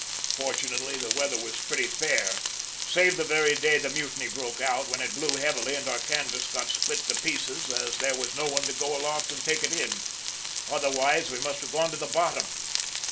Fortunately, the weather was pretty fair, save the very day the mutiny broke out, when it blew heavily and our canvas got split to pieces as there was no one to go aloft and take it in. Otherwise we must have gone to the bottom!"